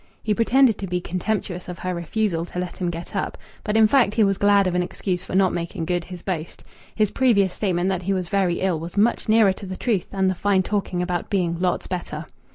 He pretended to be contemptuous of her refusal to let him get up, but in fact he was glad of an excuse for not making good his boast. His previous statement that he was very ill was much nearer to the truth than the fine talking about being "lots better."